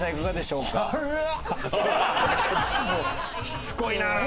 しつこいなあ。